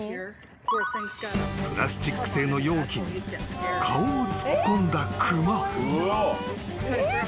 ［プラスチック製の容器に顔を突っ込んだ］